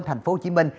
thành phố hồ chí minh